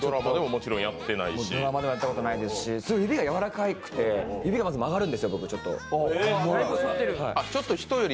ドラマでもやったことないですし指が柔らかくて、指が曲がるんですよ。